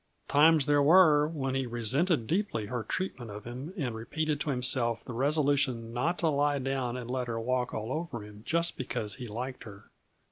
Times there were when he resented deeply her treatment of him and repeated to himself the resolution not to lie down and let her walk all over him just because he liked her.